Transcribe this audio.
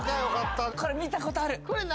これ見たことあるこれ何？